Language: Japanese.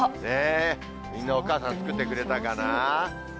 みんな、お母さん作ってくれたかな？